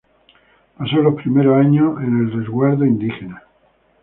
Pasó los primeros años en el Resguardo indígena.